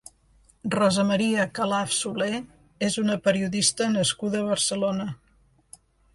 Rosa Maria Calaf Solé és una periodista nascuda a Barcelona.